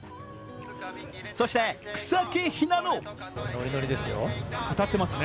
そして草木ひなの。